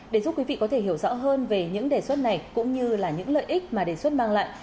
để giúp quý vị có thể hiểu rõ hơn về những đề xuất này cũng như là những lợi ích mà đề xuất mang lại